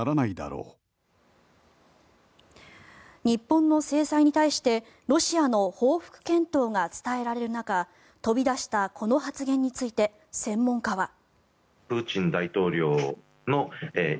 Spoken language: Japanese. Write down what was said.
日本の制裁に対してロシアの報復検討が伝えられる中飛び出したこの発言について専門家は。